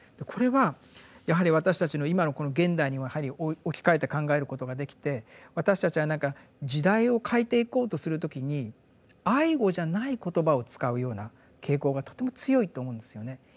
これはやはり私たちの今のこの現代にやはり置き換えて考えることができて私たちは何か時代を変えていこうとする時に「愛語」じゃない言葉をつかうような傾向がとても強いと思うんですよね。